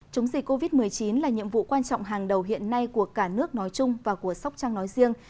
chống dịch covid một mươi chín là nhiệm vụ quan trọng hàng đầu hiện nay của cả nước nói chung và của sóc trăng nói riêng